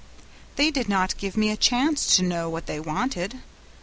They did not give me a chance to know what they wanted.